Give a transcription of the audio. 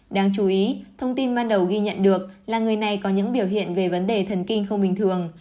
đáng chú ý thông tin ban đầu ghi nhận được là người này có những biểu hiện về vấn đề thần kinh không bình thường